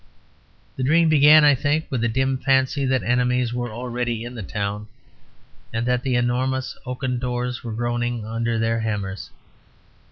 The dream began, I think, with a dim fancy that enemies were already in the town, and that the enormous oaken doors were groaning under their hammers.